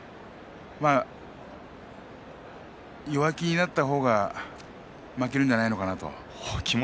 弱気になった方が負けるんじゃないのかなと。